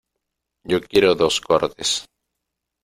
Yo quiero dos cortes.